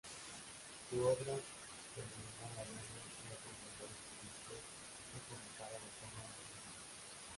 Su obra "El animal ladino y otros ensayos políticos" fue publicada de forma póstuma.